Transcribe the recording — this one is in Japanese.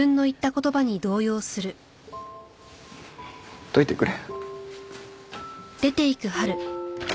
ほっといてくれ。